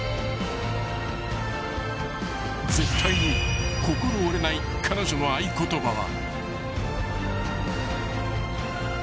［絶対に心折れない彼女の合言葉は］